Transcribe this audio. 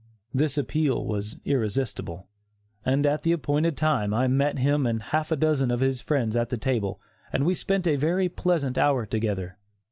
This appeal was irresistible, and at the appointed time I met him and half a dozen of his friends at his table and we spent a very pleasant hour together.